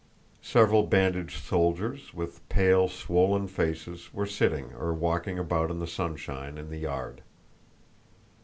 Several bandaged soldiers, with pale swollen faces, were sitting or walking about in the sunshine in the yard.